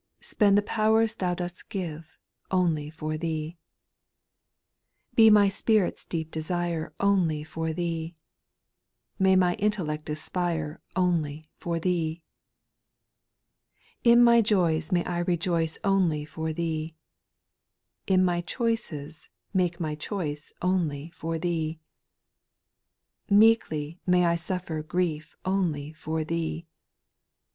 Spend the powers Thou dost give, Only for Thee. ' 2. Be my spirit's deep desire Only for Thee. May my intellect aspire Only for Thee. ' 8. In my joys may I rejoice Only for Thee. In my choices make my choice Only for Thee. 4. Meekly may I suffer grief Only for Thee.